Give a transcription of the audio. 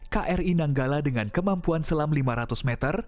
kri nanggala dengan kemampuan selam lima ratus meter